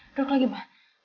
duduk lagi ma